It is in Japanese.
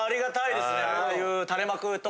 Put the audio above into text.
ああいう。